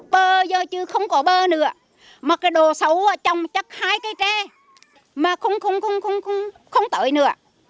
bơ giờ chưa không có bơ nữa mà cái đồ xấu trong chắc hai cây tre mà không tới nữa